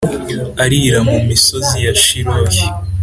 arira mu misozi ya shiloh